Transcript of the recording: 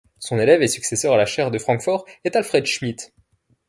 Son élève et successeur à la chaire de Francfort est Alfred Schmidt.